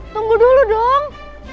tunggu dulu dong